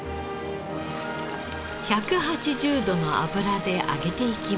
１８０度の油で揚げていきます。